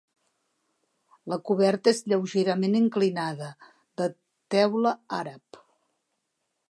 La coberta és lleugerament inclinada, de teula àrab.